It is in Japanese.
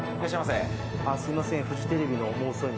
すいません。